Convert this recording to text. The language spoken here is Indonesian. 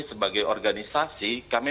sebagai organisasi kami